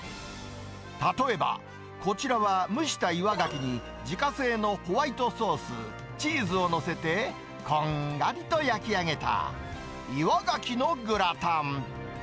例えば、こちらは蒸した岩ガキに自家製のホワイトソース、チーズを載せて、こんがりと焼き上げた、岩ガキのグラタン。